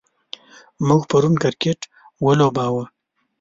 موږ پرون کرکټ ولوباوه.